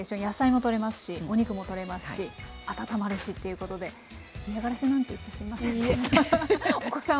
野菜もとれますしお肉もとれますし温まるしということで嫌がらせなんて言ってすいませんでした。